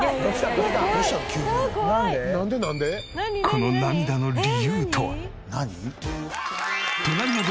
この涙の理由とは？